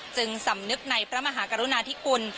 จึงสำนึกในพระมหากรุณาที่กุล